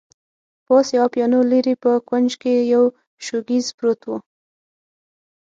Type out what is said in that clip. پاس یوه پیانو، لیري په یوه کونج کي یو شوکېز پروت وو.